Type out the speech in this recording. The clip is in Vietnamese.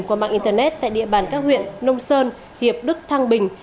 qua mạng internet tại địa bàn các huyện nông sơn hiệp đức thăng bình